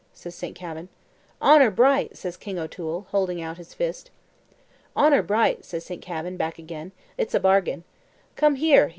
says St. Kavin. "Honour bright!" says King O'Toole, holding out his fist. "Honour bright!" says St. Kavin, back agin, "it's a bargain. Come here!"